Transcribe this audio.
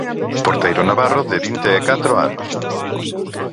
Porteiro navarro de vinte e catro anos.